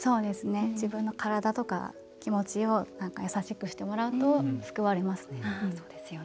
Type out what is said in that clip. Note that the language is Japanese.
自分の体とか気持ちを優しくしてもらうと救われますね。